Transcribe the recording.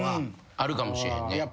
あるかもしれへんね。